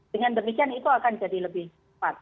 dengan demikian itu akan jadi lebih cepat